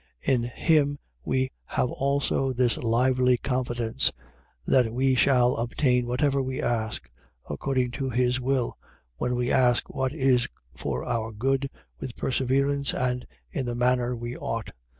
In him we have also this lively confidence, that we shall obtain whatever we ask, according to his will, when we ask what is for our good, with perseverance, and in the manner we ought.